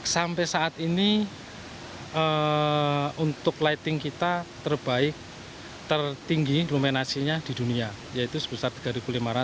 sampai saat ini untuk lighting kita terbaik tertinggi implementasinya di dunia yaitu sebesar rp tiga lima ratus